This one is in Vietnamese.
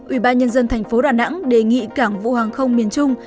ủy ban nhân dân thành phố đà nẵng đề nghị cảng vụ hàng không miền trung